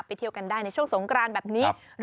เที่ยวกันได้ในช่วงสงกรานแบบนี้